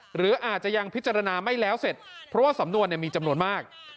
หรืออาจจะยังพิจารณาไม่แล้วเสร็จเพราะว่าสำนวนมีจำนวนมาก